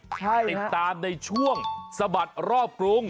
ใช่ครับครับติดตามในช่วงสะบัดรอบกรุง